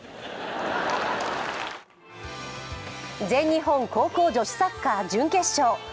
全日本高校女子サッカー準決勝。